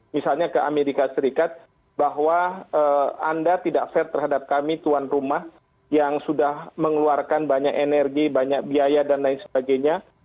misalnya ke amerika serikat bahwa anda tidak fair terhadap kami tuan rumah yang sudah mengeluarkan banyak energi banyak biaya dan lain sebagainya